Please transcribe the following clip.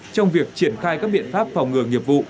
trong việc triển khai các biện pháp phòng ngừa nghiệp vụ